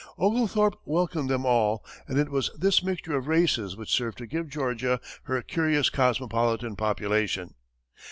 Oglethorpe welcomed them all, and it was this mixture of races which served to give Georgia her curious cosmopolitan population.